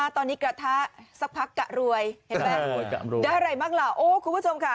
ตอนนี้กระทะสักพักกะรวยเห็นไหมได้อะไรบ้างล่ะโอ้คุณผู้ชมค่ะ